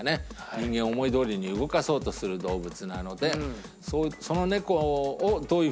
人間を思いどおりに動かそうとする動物なのでその猫をどういうふうに描いたか。